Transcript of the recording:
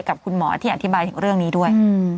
กับคุณหมอที่อธิบายถึงเรื่องนี้ด้วย